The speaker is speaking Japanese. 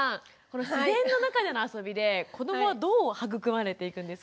この自然の中でのあそびで子どもはどう育まれていくんですか？